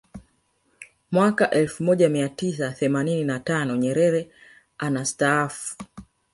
Mwaka elfu moja mia tisa themanini na tano Nyerere anastaafu